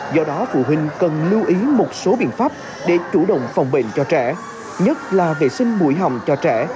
do đó phụ huynh cần lưu ý một số biện pháp để chủ động phòng bệnh cho trẻ